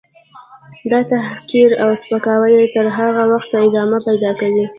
. دا تحقیر او سپکاوی تر هغه وخته ادامه پیدا کوي.